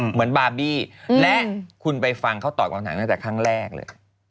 บาร์บี้และคุณไปฟังเขาตอบคำถามตั้งแต่ครั้งแรกเลย